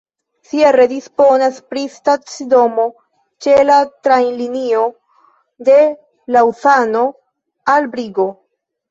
Sierre disponas pri stacidomo ĉe la trajnlinio de Laŭzano al Brigo.